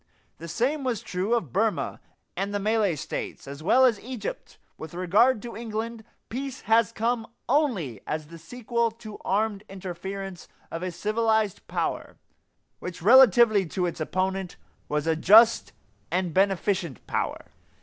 The same was true of Burma and the Malay States, as well as Egypt, with regard to England. Peace has come only as the sequel to the armed interference of a civilized power which, relatively to its opponent, was a just and beneficent power.